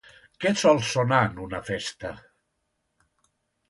Què sol sonar en una festa?